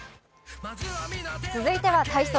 続いては体操。